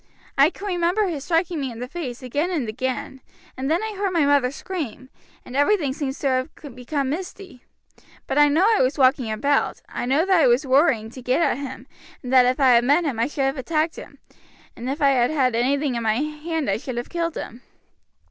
I can remember his striking me in the face again and again, and then I heard my mother scream, and everything seems to have become misty. But I know I was walking about; I know that I was worrying to get at him, and that if I had met him I should have attacked him, and if I had had anything in my hand I should have killed him."